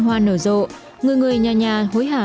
hoa nở rộ người người nhà nhà hối hả